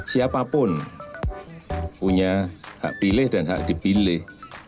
siapapun punya hak pilih dan hak dipilih